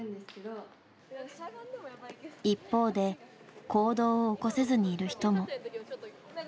一方で行動を起こせずにいる人も。